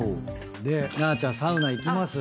なーちゃんサウナ行きます。